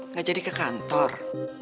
nggak jadi ke kantor